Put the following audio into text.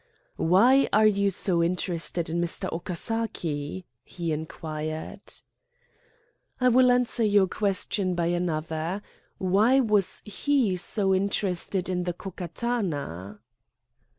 "Why are you so interested in Mr. Okasaki?" he inquired. "I will answer your question by another. Why was he so interested in the Ko Katana?"